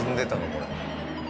これ。